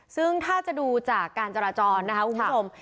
ซึ่งถ้าจะดูจากการจราจรนะคะคุณผู้ชม